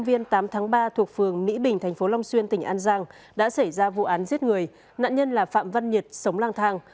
vào ngày tám tháng ba thuộc phường mỹ bình tp long xuyên tỉnh an giang đã xảy ra vụ án giết người nạn nhân là phạm văn nhật sống lang thang